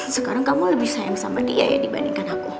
sekarang kamu lebih sayang sama dia ya dibandingkan aku